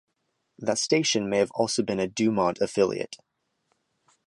That station may have also been a DuMont affiliate.